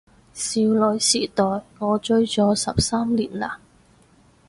少女時代我追咗十三年喇